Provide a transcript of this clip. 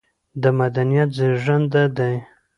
د مدنيت زېږنده دى